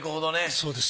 そうです。